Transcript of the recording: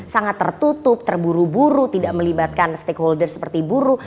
sangat tertutup terburu buru tidak melibatkan stakeholder seperti buruh